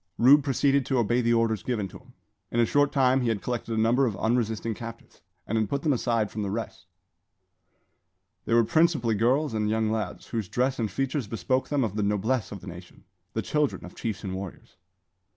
Rube proceeded to obey the orders given him. In a short time he had collected a number of unresisting captives, and had put them aside from the rest. They were principally girls and young lads, whose dress and features bespoke them of the noblesse of the nation, the children of chiefs and warriors.